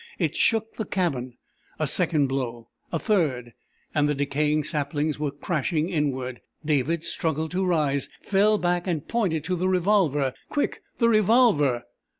It shook the cabin. A second blow, a third and the decaying saplings were crashing inward! David struggled to rise, fell back, and pointed to the revolver. "Quick the revolver!"